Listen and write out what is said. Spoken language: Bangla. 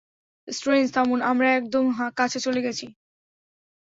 স্ট্রেঞ্জ, থামুন, আমরা একদম কাছে চলে গেছি।